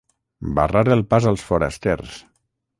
Barrar el pas als forasters.